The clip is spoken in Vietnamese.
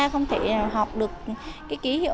không thể học được cái ký hiệu